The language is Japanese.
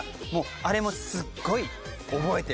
あれもすっごい覚えてる。